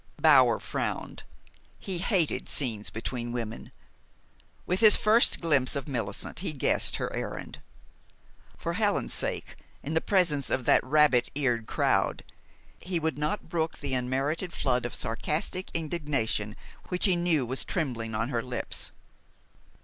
Bower frowned. He hated scenes between women. With his first glimpse of Millicent he guessed her errand. For Helen's sake, in the presence of that rabbit eared crowd, he would not brook the unmerited flood of sarcastic indignation which he knew was trembling on her lips.